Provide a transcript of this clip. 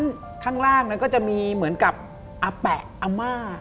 ดังนั้นข้างล่างก็จะมีเหมือนกับอาแปะอามา